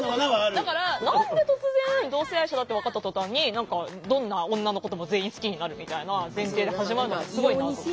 だから何で突然同性愛者だって分かった途端にどんな女のことも全員好きになるみたいな前提で始まるのはすごいなと思う。